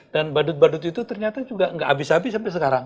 dan badut badut itu ternyata juga nggak habis habis sampai sekarang